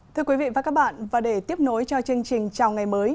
thưa quý vị và các bạn và để tiếp nối cho chương trình chào ngày mới